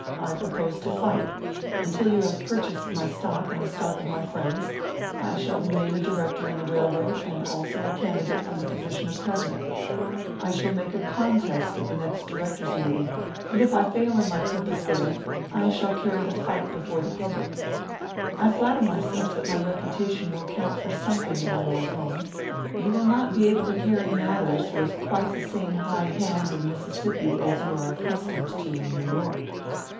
"I propose to fight. Until you have purchased my stock and the stock of my friends, I shall remain a director in the railroad, and also a candidate for the position of president. I shall make a contest at the next directors' meeting, and if I fail in my purpose there, I shall carry the fight before the public. I flatter myself that my reputation will count for something in my old home; you will not be able to carry matters with quite the same high hand in Mississippi as you are accustomed to in New York.